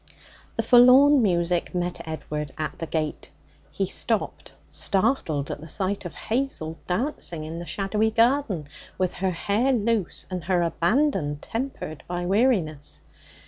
The forlorn music met Edward at the gate. He stopped, startled at the sight of Hazel dancing in the shadowy garden with her hair loose and her abandon tempered by weariness.